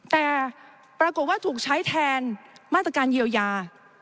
แต่ปรากฏว่าถูกใช้แทนมาตรการเยียวยา